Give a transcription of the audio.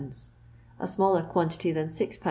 (a smaller quantity than 6 Iba.